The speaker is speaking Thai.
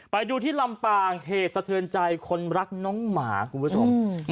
ไปดูที่ลำปางเหตุสะเทือนใจคนรักน้องหมาคุณผู้ชม